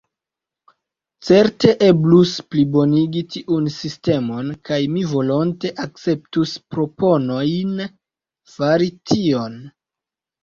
Certe eblus plibonigi tiun sistemon, kaj mi volonte akceptus proponojn fari tion.